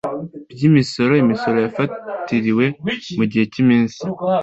bw Imisoro imisoro yafatiriwe mu gihe cy iminsi